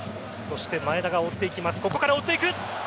前田が追っていきます。